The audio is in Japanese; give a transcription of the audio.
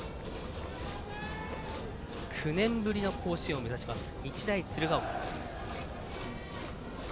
９年ぶりの甲子園を目指す日大鶴ヶ丘。